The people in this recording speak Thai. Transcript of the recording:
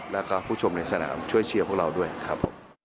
แล้วก็ผู้ชมในสนามช่วยเชียร์พวกเราด้วยครับ